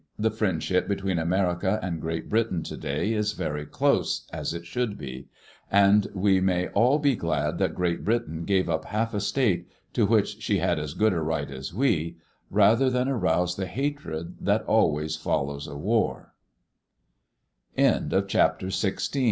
The friendship between America and Great Britain today is very close, as it should be; and we may all be glad that Great Britain gave up half a state, to which she had as good a right as we, rather than arouse the hatred that